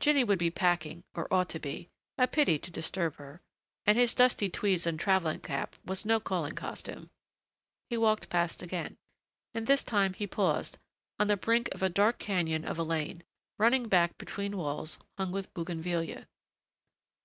Jinny would be packing or ought to be. A pity to disturb her.... And his dusty tweeds and traveling cap was no calling costume.... He walked past again. And this time he paused, on the brink of a dark canyon of a lane, running back between walls hung with bougainvillea.